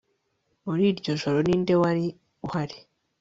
muri iryo joro ninde wari uhari